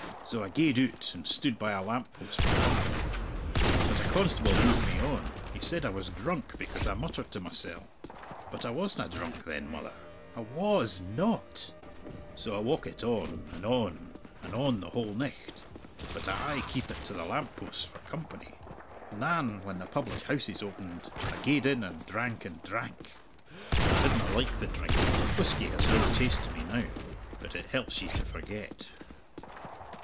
So I gaed oot and stood by a lamp post for company. But a constable moved me on; he said I was drunk because I muttered to mysell. But I wasna drunk then, mother; I wa as not. So I walkit on, and on, and on the whole nicht; but I aye keepit to the lamp posts for company. And than when the public houses opened I gaed in and drank and drank. I didna like the drink, for whisky has no taste to me now. But it helps ye to forget.